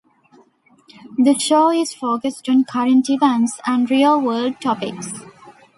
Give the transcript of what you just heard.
The show is focused on current events and real world topics.